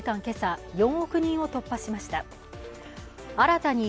今朝、４億人を突破しました。